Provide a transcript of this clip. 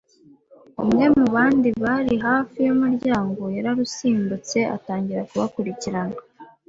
Umwe mu bandi bari hafi y'umuryango yararusimbutse atangira kubakurikirana.